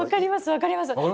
分かりますよね。